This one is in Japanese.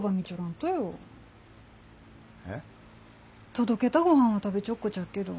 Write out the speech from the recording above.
届けたご飯は食べちょっごちゃっけど。